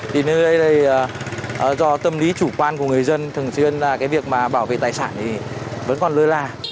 thì nơi đây do tâm lý chủ quan của người dân thường xuyên việc bảo vệ tài sản vẫn còn lơi la